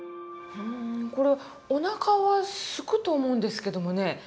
これおなかはすくと思うんですけどもね。